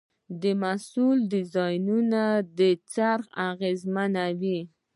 د محصول ډیزاین د خرڅ اغېزمنوي.